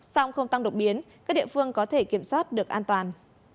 sau không tăng độc biến các địa phương có thể kiểm soát được an toàn